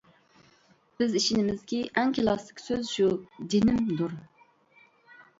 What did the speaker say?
بىز ئىشىنىمىزكى، ئەڭ كىلاسسىك سۆز شۇ «جېنىم» دۇر.